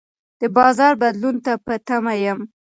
د بازار بدلون ته په تمه یم.